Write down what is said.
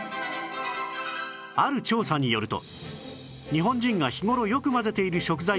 ある調査によると日本人が日頃よく混ぜている食材